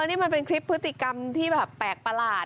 นี่มันเป็นคลิปพฤติกรรมที่แบบแปลกประหลาด